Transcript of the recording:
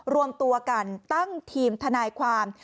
รวมตัวกันตั้งทีมทนายความ